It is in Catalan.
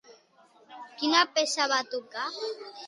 Quina peça va tocar?